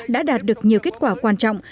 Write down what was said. đã đạt được nhiều kết quả quan trọng